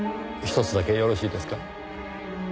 ひとつだけよろしいですか？